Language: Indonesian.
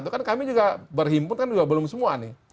itu kan kami juga berhimpun kan juga belum semua nih